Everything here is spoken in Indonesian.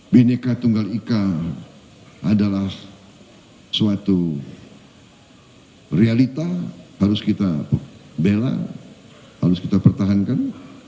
bineka tunggal ika adalah suatu realita harus kita bela harus kita pertahankan